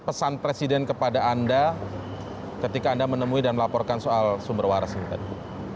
pesan presiden kepada anda ketika anda menemui dan melaporkan soal sumber waras ini tadi